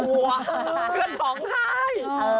เพื่อนกลัวเพื่อนผงใคร